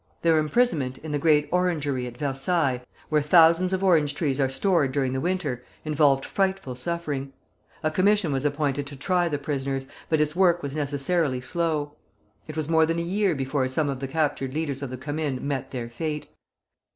Their imprisonment in the Great Orangery at Versailles, where thousands of orange trees are stored during the winter, involved frightful suffering. A commission was appointed to try the prisoners, but its work was necessarily slow. It was more than a year before some of the captured leaders of the Commune met their fate.